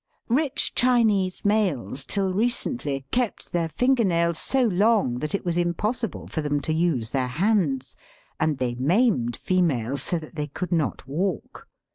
Rich Chinese males till recently kept their finger 92 SELF AND SELF MANAGEMENT ' nails 80 long that it was impossible for them to use their hands, and thej maimed females so that they could not walk.